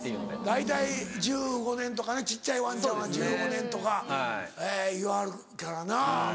大体１５年とかね小っちゃいワンちゃんは１５年とかいわはるからな。